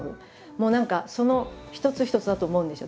もう何かそのひとつひとつだと思うんですよ。